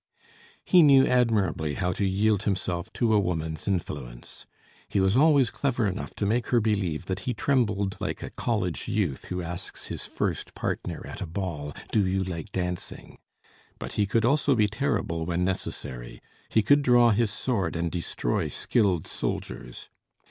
He knew admirably how to yield himself to a woman's influence. He was always clever enough to make her believe that he trembled like a college youth who asks his first partner at a ball: "Do you like dancing?" But he could also be terrible when necessary; he could draw his sword and destroy skilled soldiers.